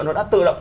nó đã tự động